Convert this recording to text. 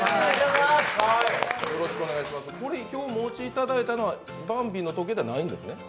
今日お持ちいただいたのはバンビの時計ではないんですね？